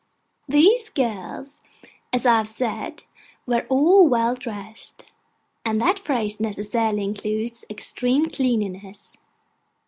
These girls, as I have said, were all well dressed: and that phrase necessarily includes extreme cleanliness.